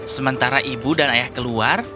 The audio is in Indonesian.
sementara ibu dan ayah keluar